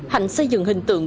hạnh xây dựng hình tượng